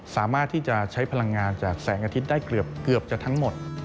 สามารถที่จะใช้พลังงานจากแสงอาทิตย์ได้เกือบจะทั้งหมด